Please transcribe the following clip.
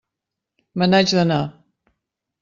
Me n'haig d'anar.